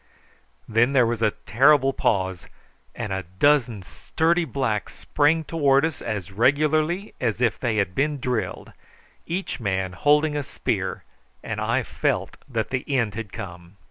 Then there was a terrible pause, and a dozen sturdy blacks sprang towards us as regularly as if they had been drilled, each man holding a spear, and I felt that the end had come.